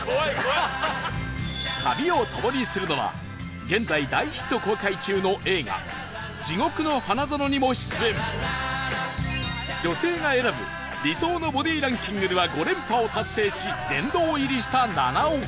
旅をともにするのは現在大ヒット公開中の映画『地獄の花園』にも出演「女性が選ぶ理想のボディランキング」では５連覇を達成し殿堂入りした菜々緒